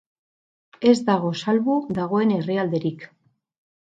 Ez dago salbu dagoen herrialderik.